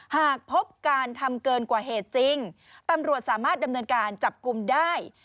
หากพบการทำเกินกว่าเหตุจริงตำรวจสามารถดำเนินการจับกลุ่มได้